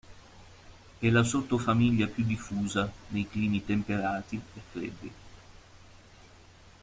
È la sottofamiglia più diffusa nei climi temperati e freddi.